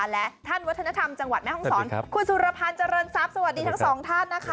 และท่านวัฒนธรรมจังหวัดแม่ห้องศรคุณสุรพันธ์เจริญทรัพย์สวัสดีทั้งสองท่านนะคะ